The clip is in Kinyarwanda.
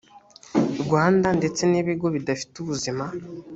rwanda ndetse n ibigo bidafite ubuzima